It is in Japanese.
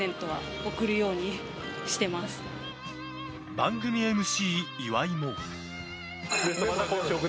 番組ＭＣ岩井も。